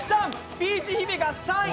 ピーチ姫が３位。